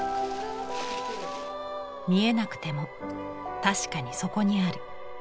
見えなくても確かにそこにある。